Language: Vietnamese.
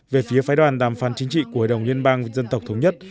về phía phái đoàn đàm phán chính trị của hội đồng liên bang dân tộc thống nhất